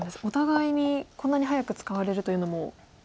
お互いにこんなに早く使われるというのも。